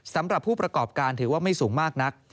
สำหรับผู้ประกอบการถือว่าไม่สูงมากนัก